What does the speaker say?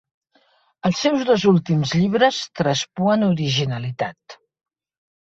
Els seus dos últims llibres traspuen originalitat.